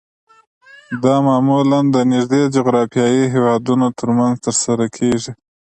دا معمولاً د نږدې جغرافیایي هیوادونو ترمنځ ترسره کیږي